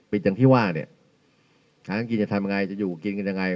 ปิดจังหวัดเนี้ยถ้าต้องกินจะทำยังไงจะอยู่กับกินกันยังไง